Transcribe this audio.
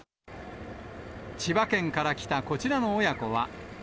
千葉県から来たこちらの親子は。